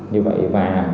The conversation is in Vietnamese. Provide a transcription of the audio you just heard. như vậy và